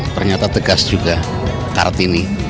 ternyata tegas juga kart ini